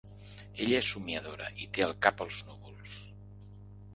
Ella és somiadora i té el cap als núvols.